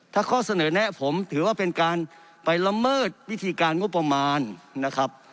ถ้าข้อเสนอแนะผมถือว่าเป็นการไปละเมิดวิธีการงบประมาณนะครับ